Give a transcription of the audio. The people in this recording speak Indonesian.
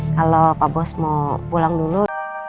kalau pak bos mau pulang dulu